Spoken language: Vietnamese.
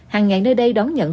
hàng ngày nơi đây đón nhận